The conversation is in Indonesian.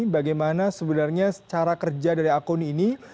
bagaimana sebenarnya cara kerja dari akun ini